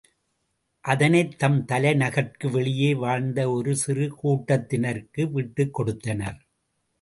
அதனைத் தம் தலைநகர்க்கு வெளியே வாழ்ந்த ஒரு சிறு கூட்டத்தினர்க்கு விட்டுக் கொடுத்தனர்.